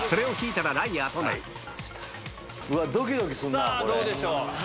さぁどうでしょう？